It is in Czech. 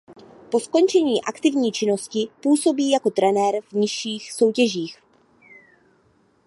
Po skončení aktivní činnosti působí jako trenér v nižších soutěžích.